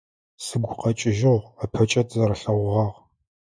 Сыгу къэкӏыжьыгъ, ыпэкӏэ тызэрэлъэгъугъагъ.